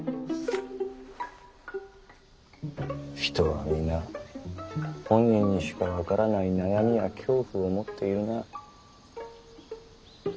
人はみな本人にしか分からない悩みや恐怖を持っているな。